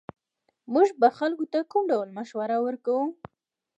موږ به خلکو ته کوم ډول مشوره ورکوو